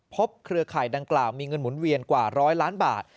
เครือข่ายดังกล่าวมีเงินหมุนเวียนกว่า๑๐๐ล้านบาท